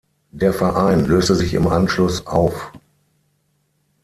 Der Verein löste sich im Anschluss auf.